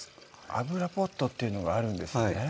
油ポットっていうのがあるんですね